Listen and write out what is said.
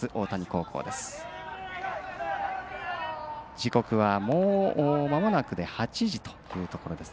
時刻はまもなくで８時というところです。